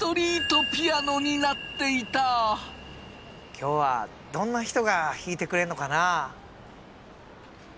今日はどんな人が弾いてくれんのかなあ？